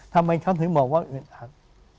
ทำไมฉันถึงบอกว่าอึดอัด